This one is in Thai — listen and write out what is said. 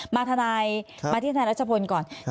มาทนายรัชพลก่อน